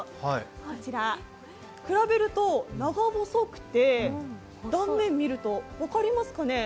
こちら、比べると長細くて、断面を見ると分かりますかね？